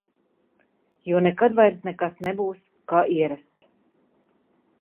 Jo nekad vairs nekas nebūs, kā ierasts.